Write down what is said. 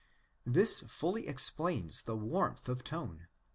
This fully explains the warmth of tone.